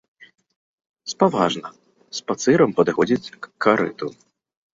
Спаважна, спацырам падыходзіць к карыту.